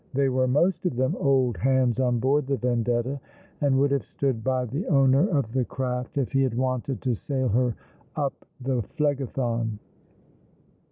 They were most of them old hands on board the Vendetta, and would have stood by the owner of the craft if he had wanted to sail her up the Phlegethon.